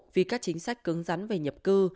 vì các chính sách cứng rắn về nhập cư